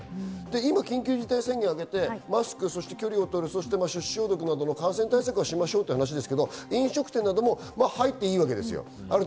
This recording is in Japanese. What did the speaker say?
今、緊急事態宣言が明けてマスク、距離を取るなどの感染対策しましょうということですが、飲食店なども入っていいわけですよ。